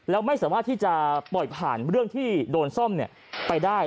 แล้วไม่สามารถที่จะปล่อยผ่านเรื่องที่โดนซ่อมไปได้